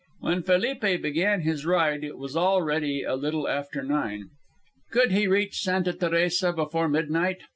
When Felipe began his ride it was already a little after nine. Could he reach Santa Teresa before midnight?